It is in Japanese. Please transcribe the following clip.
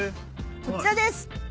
こちらです！